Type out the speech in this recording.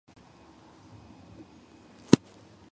ასევე ინგლისელი პოლიტიკოსი და არისტოკრატი.